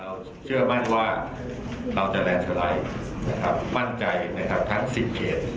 เราเชื่อมั่นว่าเราจะแลนด์สไลด์มั่นใจทั้งสิบเกณฑ์